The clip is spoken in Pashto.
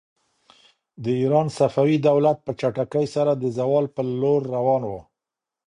د ایران صفوي دولت په چټکۍ سره د زوال پر لور روان و.